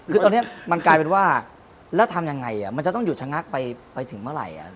คือตอนนี้มันกลายเป็นว่าแล้วทำยังไงมันจะต้องหยุดชะงักไปถึงเมื่อไหร่